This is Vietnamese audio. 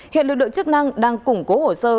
hiện lực lượng chức năng đang củng cố hồ sơ